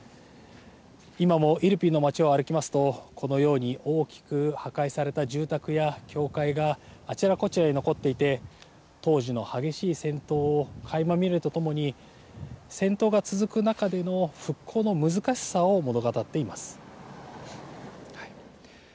今もイルピンの町を歩きますとこのように大きく破壊された住宅や教会があちらこちらに残っていて当時の激しい戦闘をかいま見るとともに戦闘が続く中での復興の難しさを物語っています。